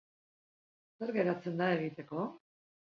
Zer geratzen da egiteko?